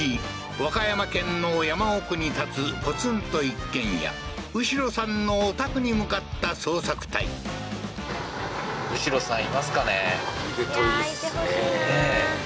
和歌山県の山奥に建つポツンと一軒家ウシロさんのお宅に向かった捜索隊ん？